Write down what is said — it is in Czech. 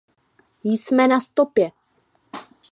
Jsme na stopě.